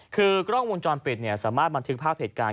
คือกล้องวงจรปิดสามารถบันทึกภาพเหตุการณ์